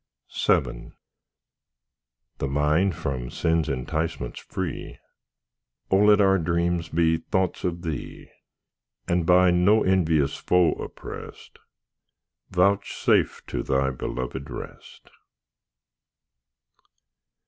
VII The mind from sin's enticements free, O let our dreams be thoughts of Thee; And by no envious foe oppressed, Vouchsafe to Thy beloved rest.